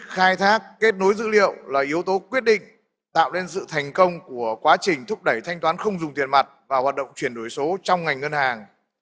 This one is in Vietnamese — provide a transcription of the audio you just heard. khai thác kết nối dữ liệu là yếu tố quyết định tạo nên sự thành công của quá trình thúc đẩy thanh toán không dùng tiền mặt và hoạt động chuyển đổi số trong ngành ngân hàng